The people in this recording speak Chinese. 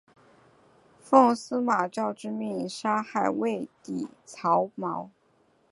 奉司马昭之命弑害魏帝曹髦。